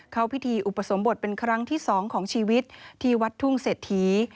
เข้าพิธีอุปสมบทเป็นครั้งที่๒ของชีวิตที่วัดทุ่งเศรษฐี